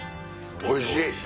おいしい！